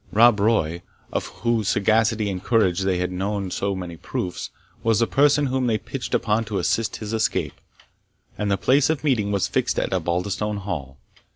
Rob Roy, of whose sagacity and courage they had known so many proofs, was the person whom they pitched upon to assist his escape, and the place of meeting was fixed at Osbaldistone Hall.